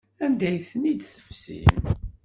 Anda ay ten-id-tefsim?